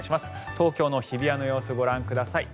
東京の日比谷の様子ご覧ください。